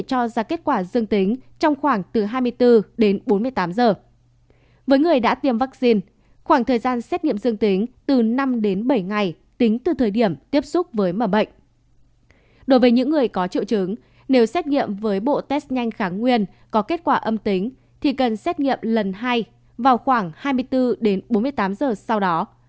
đối với những người có triệu chứng nếu xét nghiệm với bộ test nhanh kháng nguyên có kết quả âm tính thì cần xét nghiệm lần hai vào khoảng hai mươi bốn đến bốn mươi tám giờ sau đó